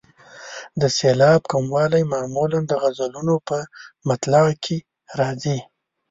د سېلاب کموالی معمولا د غزلونو په مطلع کې راځي.